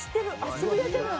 渋谷じゃない」